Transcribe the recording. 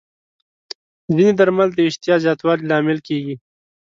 ځینې درمل د اشتها زیاتوالي لامل کېږي.